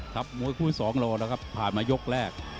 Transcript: ครับมวยคู่๒รอแล้วครับผ่านมายกแรก